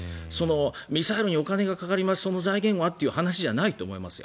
ミサイルにお金がかかりますその財源は？という話じゃないと思いますよ。